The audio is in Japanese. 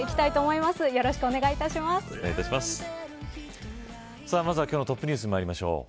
まずは今日のトップニュースまいりましょう。